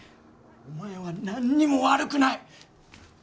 お前はなんにも悪くない！